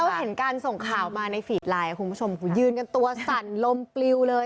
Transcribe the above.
เขาเห็นการส่งข่าวมาในฟีดไลน์คุณผู้ชมยืนกันตัวสั่นลมปลิวเลย